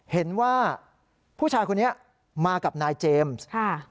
เห็นว่าผู้ชายคนนี้มากับนายเจมส์ค่ะ